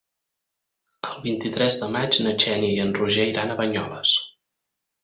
El vint-i-tres de maig na Xènia i en Roger iran a Banyoles.